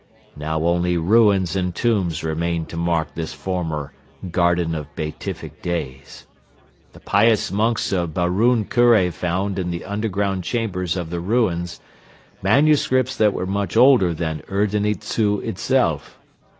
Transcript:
Now only ruins and tombs remain to mark this former 'Garden of Beatific Days.' The pious monks of Baroun Kure found in the underground chambers of the ruins manuscripts that were much older than Erdeni Dzu itself.